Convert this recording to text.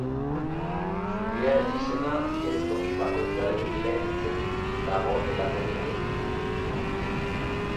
Zubiaren izena geltoki bakoitzaren lehen hitzetik dago eratorria.